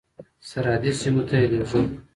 سرحدي سیمو ته یې لېږل.